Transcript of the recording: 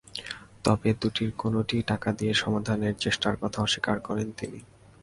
তবে দুটির কোনোটিই টাকা দিয়ে সমাধানের চেষ্টার কথা অস্বীকার করেন তিনি।